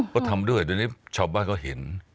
ก็ทำด้วยดังนี้ชาวบ้านเขาเห็น